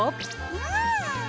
うん！